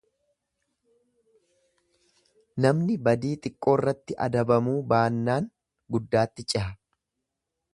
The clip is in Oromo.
Namni badii xiqqoorratti adabamuu baannaan guddaatti ceha.